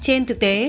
trên thực tế